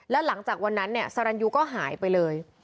แล้วหลังจากวันนั้นเนี่ยสรรยูก็หายไปเลย